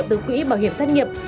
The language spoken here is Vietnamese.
từ quỹ bảo hiểm thất nghiệp